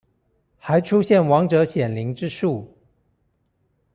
還出現亡者顯靈之術